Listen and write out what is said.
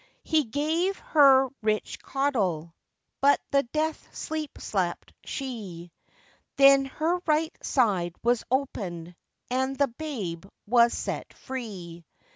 He gave her rich caudle, But the death sleep slept she. Then her right side was opened, And the babe was set free.